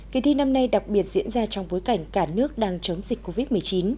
kỳ thi năm nay đặc biệt diễn ra trong bối cảnh cả nước đang chống dịch covid một mươi chín